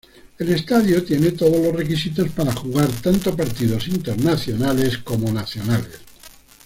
El estadio tiene todos los requisitos para jugar tanto partidos internacionales como nacionales.